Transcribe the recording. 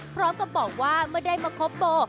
พร้อมกับบอกว่าเมื่อได้มาคบโบ